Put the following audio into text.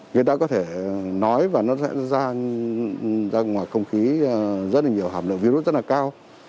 người ta có thể nói và nó sẽ ra ngoài không khí rất là nhiều hàm lượng virus rất là cao